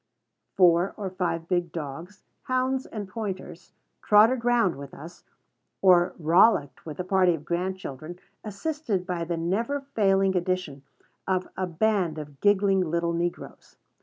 Four or five big dogs, hounds and pointers, trotted round with us, or rollicked with a party of grandchildren, assisted by the never failing addition of a band of giggling little negroes.